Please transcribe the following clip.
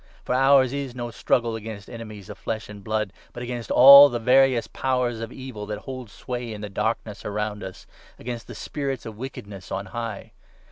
For ours is no struggle against enemies of flesh and blood, but against all the various Powers of Evil that hold sway in the Darkness around us, against the Spirits of Wickedness on Hgh.